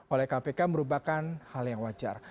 oleh kpk merupakan hal yang wajar